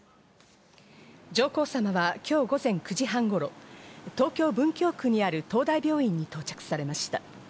上皇さまはきょう午前９時半頃、東京・文京区にある東大病院に到着されました。